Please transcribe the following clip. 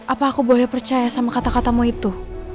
apa aku boleh percaya sama kata katamu itu